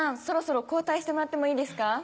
そろそろ交代してもらってもいいですか？